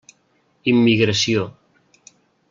Immigració.